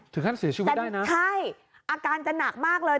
ถึงขั้นเสียชีวิตได้นะใช่อาการจะหนักมากเลย